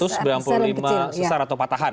dua ratus sembilan puluh lima sesar atau patahan